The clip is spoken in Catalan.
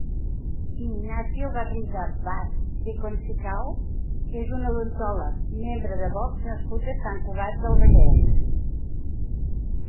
Ignacio Garriga Vaz de Concicao és un odontòleg, membre de Vox nascut a Sant Cugat del Vallès.